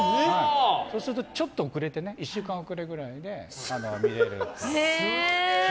そうするとちょっと遅れて１週間遅れぐらいで見れる。